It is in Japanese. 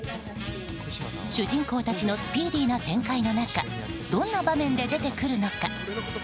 主人公たちのスピーディーな展開の中どんな場面で出てくるのか。